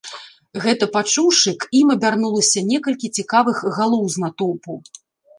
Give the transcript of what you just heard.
Гэта пачуўшы, к ім абярнулася некалькі цікавых галоў з натоўпу.